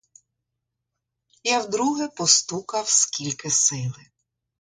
Я вдруге постукав скільки сили.